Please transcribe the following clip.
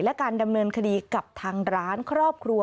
และการดำเนินคดีกับทางร้านครอบครัว